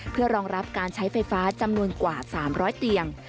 เพื่อรองรับการใช้ไฟฟ้าจำนวนกว่า๓๐๐เตียง